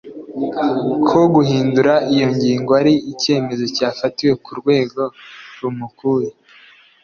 ko guhindura iyo ngingo ari icyemezo cyafatiwe ku rwego rumukuye